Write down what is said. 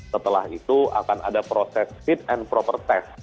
setelah itu akan ada proses fit and proper test